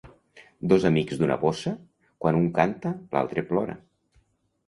Dos amics d'una bossa, quan un canta l'altre plora.